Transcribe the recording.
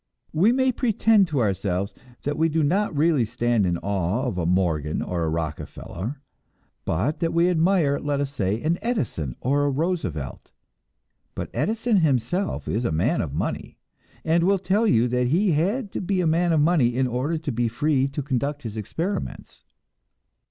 We may pretend to ourselves that we do not really stand in awe of a Morgan or a Rockefeller, but that we admire, let us say, an Edison or a Roosevelt. But Edison himself is a man of money, and will tell you that he had to be a man of money in order to be free to conduct his experiments.